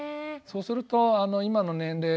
そうするとあの今の年齢。